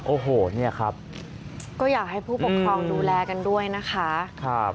โอ้โหเนี่ยครับก็อยากให้ผู้ปกครองดูแลกันด้วยนะคะครับ